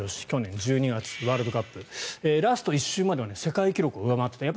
去年１２月、ワールドカップラスト１周までは世界記録を上回った。